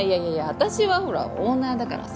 私はほらオーナーだからさ。